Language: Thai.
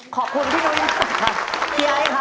ขอบคุณพี่โดยพี่ไอค์ครับ